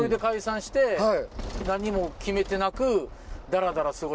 何も決めてなく。